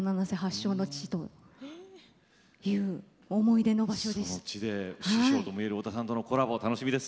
その地で師匠とも言える織田さんとのコラボ楽しみです。